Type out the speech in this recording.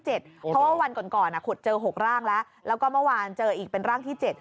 เพราะว่าวันก่อนขุดเจอ๖ร่างแล้วแล้วก็เมื่อวานเจออีกเป็นร่างที่๗